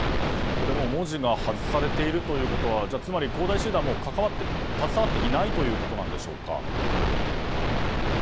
文字が外されているということはつまり恒大集団は携わっていないということなんでしょうか。